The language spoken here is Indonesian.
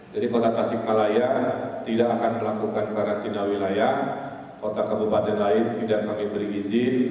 jadi kota tasik malaya tidak akan melakukan karantina wilayah kota kabupaten lain tidak akan memberi izin